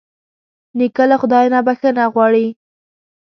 نیکه له خدای نه بښنه غواړي.